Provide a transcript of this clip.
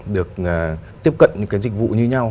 được tiếp cận những cái dịch vụ như nhau